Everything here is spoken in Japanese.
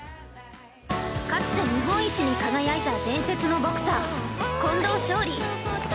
◆かつて日本一に輝いた伝説のボクサー近藤頌利。